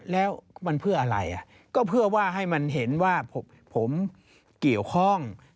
แล้วมันเพื่ออะไรก็เพื่อว่าให้มันเห็นว่าผมเกี่ยวข้อง